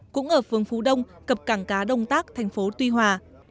cũng ở phương phú đông cập cảng cá đông tác thành phố tuy hòa